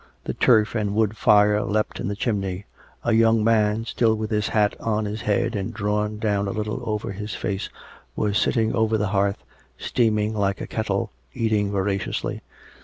The turf and wood fire leaped in the chimney; a young man, still with his hat on his head and drawn down a little over his face, was sitting over the hearth, steaming like a kettle, eating voraciously.